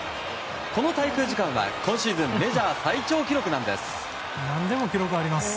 この滞空時間は今シーズンメジャー最長記録なんです。